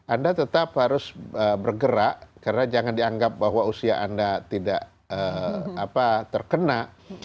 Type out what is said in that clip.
anda tetap harus bergerak karena jangan dianggap bahwa usia anda tidak terkena